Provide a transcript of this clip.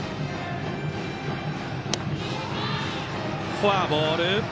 フォアボール。